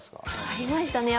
ありましたね。